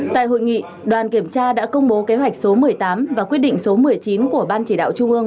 tại hội nghị đoàn kiểm tra đã công bố kế hoạch số một mươi tám và quyết định số một mươi chín của ban chỉ đạo trung ương